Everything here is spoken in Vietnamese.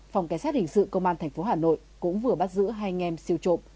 phòng kẻ sát hình sự công an tp hà nội cũng vừa bắt giữ hai nghem siêu trộm